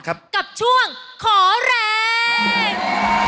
กับช่วงขอแรง